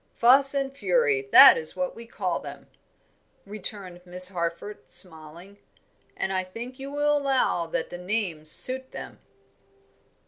Fuss and Fury, that is what we call them," returned Miss Harford, smiling, "and I think you will allow that the names suit them."